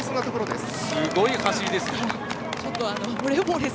すごい走りです！